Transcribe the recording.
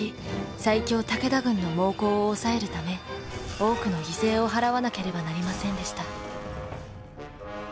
最強武田軍の猛攻を抑えるため多くの犠牲を払わなければなりませんでした。